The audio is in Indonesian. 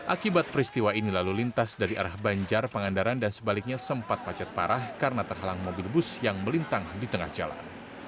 akibat peristiwa ini lalu lintas dari arah banjar pangandaran dan sebaliknya sempat macet parah karena terhalang mobil bus yang melintang di tengah jalan